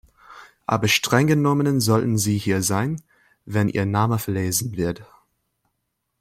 Aber strenggenommen sollten sie hier sein, wenn ihr Name verlesen wird.